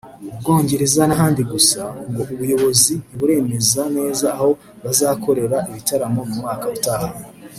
u Bwongereza n’ahandi gusa ngo ubuyobozi ntiburemeza neza aho bazakorera ibitaramo mu mwaka utaha